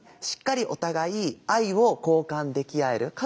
しっかりお互い愛を交換でき合える。